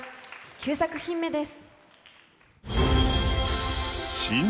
９作品目です。